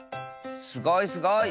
すごいすごい。